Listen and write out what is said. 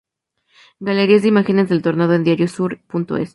Galerías de imágenes del tornado en Diario Sur.es